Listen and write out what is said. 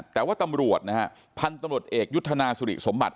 แต่ว่าตำรวจพันตำรวจเอกยุทธนาสุฤีสมบัติ